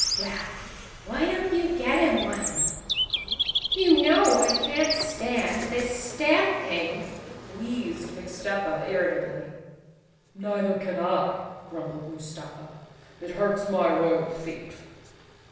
"Well, why don't you get him one? You know I can't stand this stamping," wheezed Mixtuppa irri¬ tably. "Neither can I," grumbled Mustafa. "It hurts my royal feet."